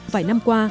vài năm qua